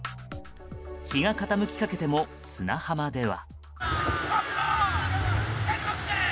日が傾きかけても砂浜では。